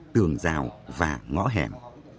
tường rào và ngõ hẻm